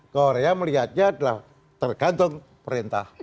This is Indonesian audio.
korea melihatnya adalah tergantung perintah